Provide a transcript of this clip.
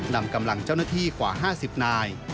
นำกำลังเจ้าหน้าที่กว่า๕๐นาย